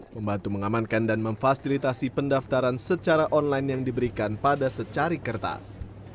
membantu mengamankan dan memfasilitasi pendaftaran secara online yang diberikan pada secari kertas